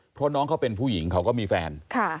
เพราะน้องเขาเป็นผู้หญิงเขาก็มีแฟน